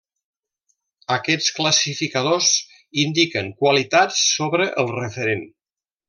Aquests classificadors indiquen qualitats sobre el referent.